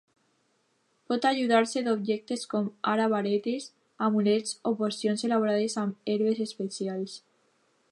Pot ajudar-se d'objectes com ara varetes, amulets o pocions elaborades amb herbes especials.